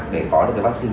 để có được cái vaccine